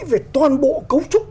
về toàn bộ cấu trúc